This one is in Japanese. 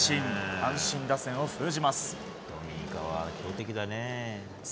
阪神打線を封じます。